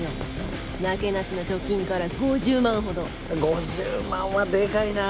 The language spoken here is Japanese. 「５０万はでかいなあ」